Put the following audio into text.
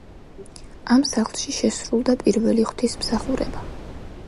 ამ სახლში შესრულდა პირველი ღვთისმსახურება.